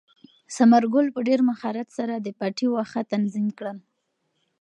ثمر ګل په ډېر مهارت سره د پټي واښه تنظیم کړل.